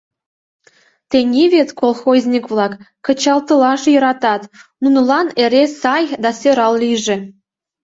Тений вет колхозник-влак кычалтылаш йӧратат: нунылан эре сай да сӧрал лийже.